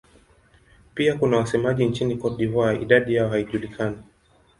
Pia kuna wasemaji nchini Cote d'Ivoire; idadi yao haijulikani.